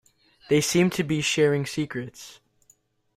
They seem to be sharing secrets.